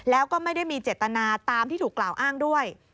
แล้วก็ไม่ได้มีเจตนาตามที่ถูกกล่าวอ้างด้วย